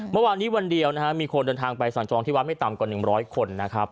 เมื่อวานนี้วันเดียวนะฮะมีคนเดินทางไปสั่งจองที่วัดไม่ต่ำกว่า๑๐๐คนนะครับ